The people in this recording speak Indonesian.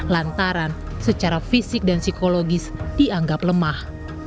lantaran secara fisik dan psikologis dianggap lemah